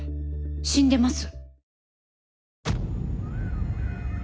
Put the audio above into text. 死んでます。